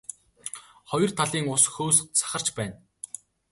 Хоёр талын ус хөөс сахарч байна.